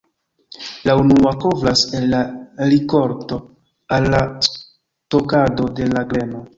La unua kovras el la rikolto al la stokado de la greno.